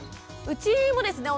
うちもですね